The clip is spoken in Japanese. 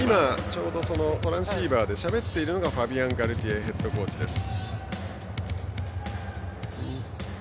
ちょうどトランシーバーでしゃべっているのがファビアン・ガルティエヘッドコーチです。